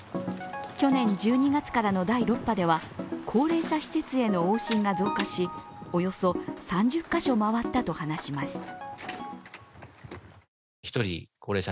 去年１２月からの第６波では高齢者施設への往診が増加し、およそ３０カ所回ったと話します。